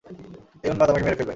এই উন্মাদ আমাকে মেরে ফেলবে!